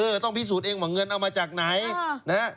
เออต้องพิสูจน์เองเหมาะเงินเอามาจากไหน